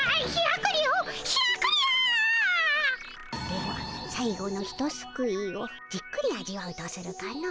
では最後のひとすくいをじっくり味わうとするかの。